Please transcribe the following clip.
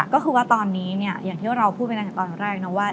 ก็คือว่าตอนนี้เนี่ยอย่างที่เราพูดไปตั้งแต่ตอนแรกนะว่า